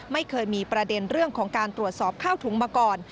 ไม่เคยมีประเด็นเรื่องของการตรวจสอบข้าวถุงมาก่อน